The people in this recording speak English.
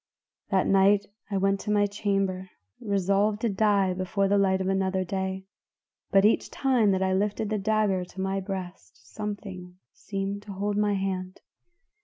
"That night I went to my chamber resolved to die before the light of another day, but each time that I lifted the dagger to my breast something seemed to hold my hand.